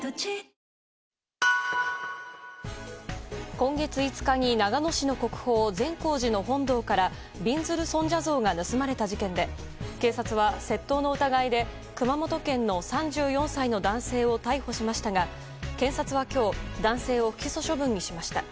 今月５日に長野市の国宝・善光寺の本堂からびんずる尊者像が盗まれた事件で警察は、窃盗の疑いで熊本県の３４歳の男性を逮捕しましたが、警察は今日男性を不起訴処分にしました。